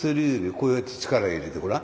こうやって力入れてごらん。